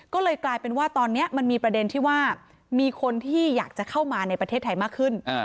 ก็เลยกลายเป็นว่าตอนนี้มันมีประเด็นที่ว่ามีคนที่อยากจะเข้ามาในประเทศไทยมากขึ้น